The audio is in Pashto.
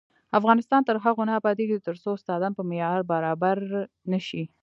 افغانستان تر هغو نه ابادیږي، ترڅو استادان په معیار برابر نشي.